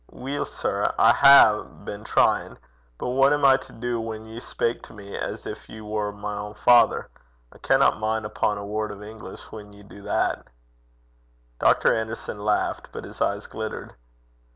'Weel, sir, I hae been tryin'; but what am I to do whan ye speyk to me as gin ye war my ain father? I canna min' upo' a word o' English whan ye do that.' Dr. Anderson laughed, but his eyes glittered.